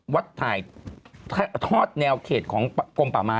ถ่ายทอดแนวเขตของกลมป่าไม้